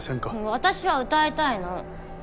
私は歌いたいの！